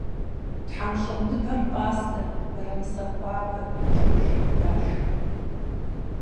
ТхьэмщӀыгъуныбэм пӀастэ, мырамысэ хуабэ, чыржын дашх.